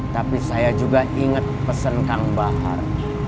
tapi saya juga inget pesen kang bahar